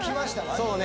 そうね